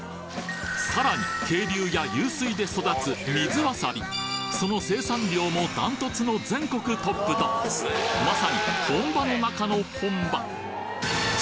さらに渓流や湧水で育つその生産量もダントツの全国トップとまさに本場の中の本場！